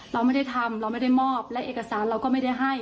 เราไม่ได้ทำเราไม่ได้มอบและเอกสารเราก็ไม่ได้ให้